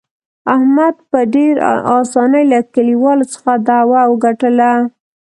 احمد په ډېر اسانۍ له کلیوالو څخه دعوه وګټله.